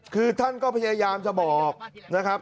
คือท่านก็พยายามจะบอกนะครับ